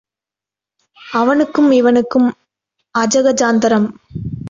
அவனுக்கும் இவனுக்கும் அஜகஜாந்தரம்.